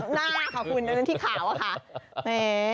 ไม่ใช่หน้าขาวคุณหน้าที่ขาวอะค่ะ